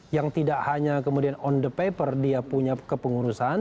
yang tidak hanya kemudian on the paper dia punya kepengurusan